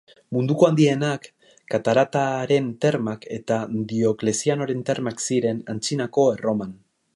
Munduko handienak, Karakalaren Termak eta Dioklezianoren Termak ziren, Antzinako Erroman.